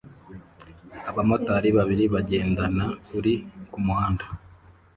abamotari babiri bagendana kuri kumuhanda